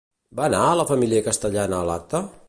Va anar la família castellana a l'acte?